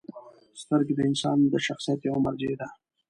• سترګې د انسان د شخصیت یوه مرجع ده.